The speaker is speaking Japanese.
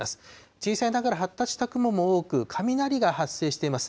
小さいながら発達した雲も多く、雷が発生しています。